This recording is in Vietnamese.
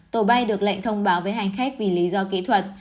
tổ bay được lệnh thông báo với hành khách vì lý do kỹ thuật